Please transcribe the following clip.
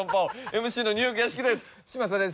ＭＣのニューヨーク屋敷です。